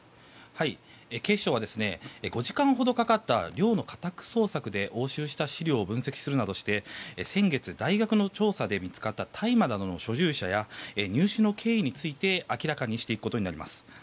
警視庁は５時間ほどかかった寮の家宅捜索で押収した資料を分析するなどして先月、大学の調査で見つかった大麻などの所有者や入手の経緯について明らかにしていくことになります。